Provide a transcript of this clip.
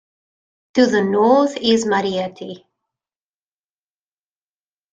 To the north is Mariotte.